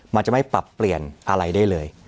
มันจะไม่ปรับเปลี่ยนอะไรได้เลย